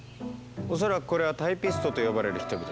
恐らくこれは「タイピスト」と呼ばれる人々だ。